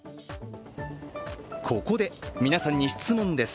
ここで、皆さんに質問です。